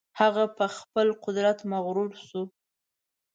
هغه په خپل قدرت مغرور شو.